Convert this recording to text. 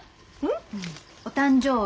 ん？お誕生日。